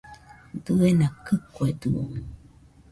Diena kɨkuedɨo